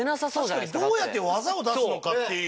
どうやって技を出すのかっていう。